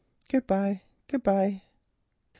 Good bye, good bye."